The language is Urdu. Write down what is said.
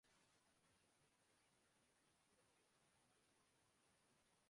پاکستان سے ٹیسٹ سیریز سٹریلین اسکواڈ سے میکسویل ڈراپ